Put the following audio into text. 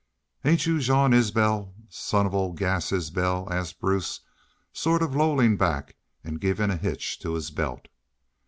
"'Air you Jean Isbel, son of ole Gass Isbel?' asked Bruce, sort of lolling back an' givin' a hitch to his belt.